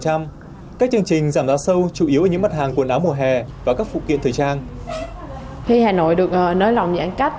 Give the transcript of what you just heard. các chương trình giảm giá sâu chủ yếu ở những mặt hàng quần áo mùa hè và các phụ kiện thời trang